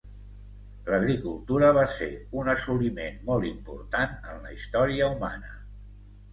L'agricultura va ser un assoliment molt important en la història humana.